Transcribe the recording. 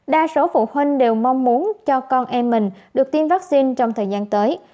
đa số phụ huynh đều mong muốn cho con em mình được tiêm vaccine trong thời gian tới